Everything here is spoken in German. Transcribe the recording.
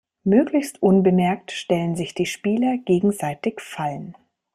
Möglichst unbemerkt stellen sich die Spieler gegenseitig Fallen.